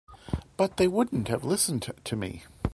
But they wouldn’t have listened to me.